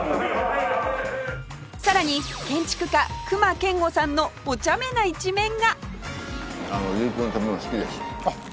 さらに建築家隈研吾さんのおちゃめな一面があっ。